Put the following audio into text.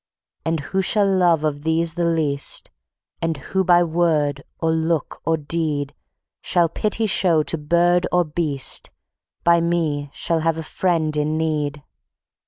"And who shall love of these the least, And who by word or look or deed Shall pity show to bird or beast, By Me shall have a friend in need.